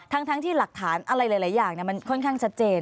ทั้งที่หลักฐานอะไรหลายอย่างมันค่อนข้างชัดเจน